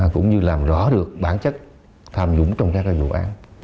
cũng như làm rõ được bản chất tham nhũng trong các vụ án